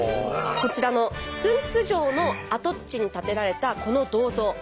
こちらの駿府城の跡地に建てられたこの銅像。